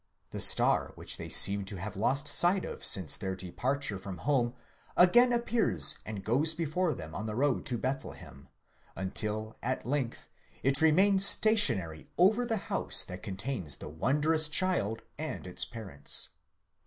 The star, which they seem to have lost. sight of since their departure from home, again appears and goes before them on the road to Bethlehem, until at length it remains stationary over the house that contains the wondrous child and its parents.